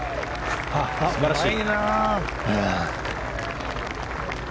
素晴らしい。